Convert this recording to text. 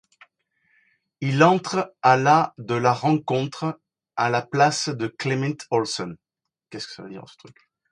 Il entre à la de la rencontre, à la place de Klæmint Olsen.